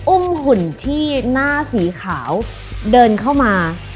อุ้มหุ่นที่หน้าสีขาวเดินเข้ามา